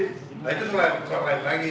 nah itu selain lagi